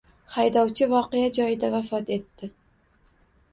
Haydovchi voqea joyida vafot etdi